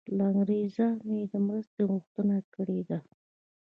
له انګریزانو یې د مرستې غوښتنه کړې ده.